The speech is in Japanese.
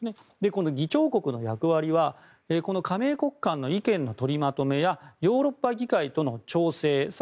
この議長国の役割は加盟国間の意見の取りまとめやヨーロッパ議会との調整